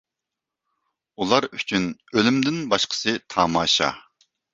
ئۇلار ئۈچۈن ئۆلۈمدىن باشقىسى تاماشا.